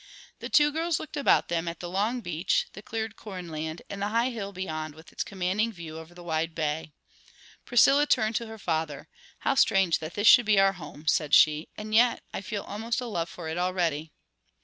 The two girls looked about them, at the long beach, the cleared corn land, and the high hill beyond with its commanding view over the wide bay. Priscilla turned to her father. "How strange that this should be our home!" said she. "And yet I feel almost a love for it already."